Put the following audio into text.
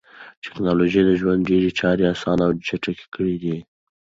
ټکنالوژي د ژوند ډېری چارې اسانه او چټکې کړې دي.